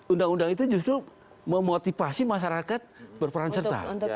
undang undang itu justru memotivasi masyarakat berperan serta